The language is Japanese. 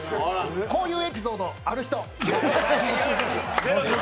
こういうエピソードある人！